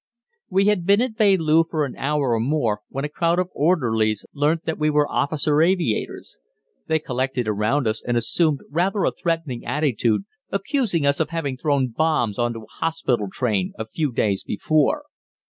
We had been at Velu for an hour or more when a crowd of orderlies learnt that we were officer aviators. They collected around us and assumed rather a threatening attitude, accusing us of having thrown bombs on to a hospital train a few days before.